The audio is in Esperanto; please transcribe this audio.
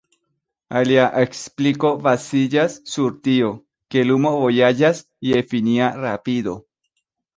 Alia ekspliko baziĝas sur tio, ke lumo vojaĝas je finia rapido.